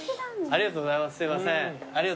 ありがとうございます。